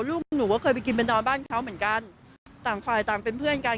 ลูกหนูก็เคยไปกินไปนอนบ้านเขาเหมือนกันต่างฝ่ายต่างเป็นเพื่อนกัน